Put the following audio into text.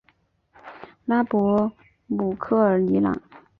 拉博姆科尔尼朗。